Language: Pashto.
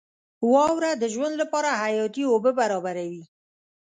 • واوره د ژوند لپاره حیاتي اوبه برابروي.